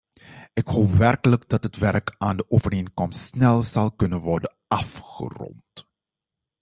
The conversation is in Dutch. Ik hoop werkelijk dat het werk aan de overeenkomst snel zal kunnen worden afgerond.